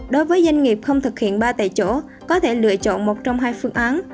đối với doanh nghiệp không thực hiện ba tại chỗ có thể lựa chọn một trong hai phương án